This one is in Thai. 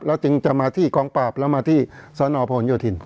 แล้วจึงจะมาที่กองปราบแล้วมาที่สนพลโยธิน